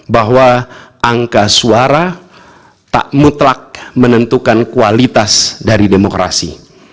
bahwa angka suara tak mutlak menentukan kualitas dari demokrasi